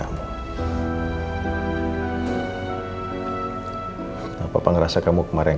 aku sangat selaluankenu